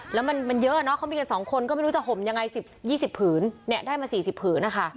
แล้วมันเยอะเนอะเขามีกัน๒คนก็ไม่รู้จะห่มยังไง๑๐๒๐ผืนเนี่ยได้มา๔๐ผืนนะคะ